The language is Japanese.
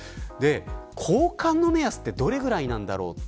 交換の目安はどれくらいなんだろう。